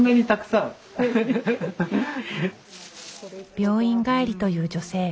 病院帰りという女性。